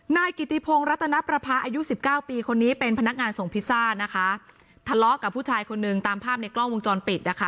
นายกิติพงศ์รัตนประพาอายุสิบเก้าปีคนนี้เป็นพนักงานส่งพิซซ่านะคะทะเลาะกับผู้ชายคนนึงตามภาพในกล้องวงจรปิดนะคะ